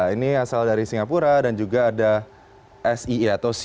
ini asal dari singapura dan juga ada sia